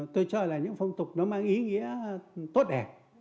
tôi cho là những phong tục nó mang ý nghĩa tốt đẹp